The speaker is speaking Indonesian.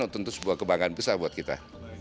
tentu sebuah kebanggaan besar buat kita